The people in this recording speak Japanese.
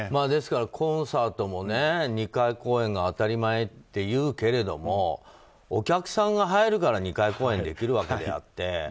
ですからコンサートも２回公演が当たり前っていうけれどもお客さんが入るから２回公演ができるわけであって。